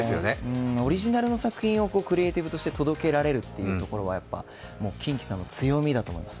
オリジナルの作品をクリエティブとして届けられるのはやっぱりキンキさんの強みだと思います。